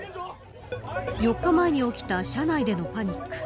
４日前に起きた車内でのパニック。